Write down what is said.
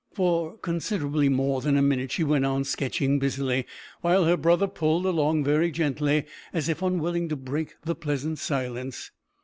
For considerably more than a minute she went on sketching busily, while her brother pulled along very gently, as if unwilling to break the pleasant silence.